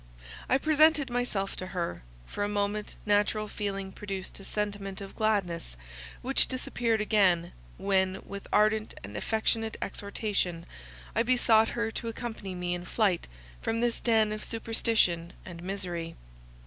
I presented myself to her; for a moment natural feeling produced a sentiment of gladness, which disappeared again, when with ardent and affectionate exhortation I besought her to accompany me in flight from this den of superstition and misery.